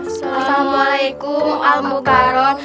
assalamualaikum al mukarong